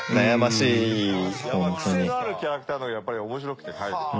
癖のあるキャラクターの方がやっぱり面白くて描いてて。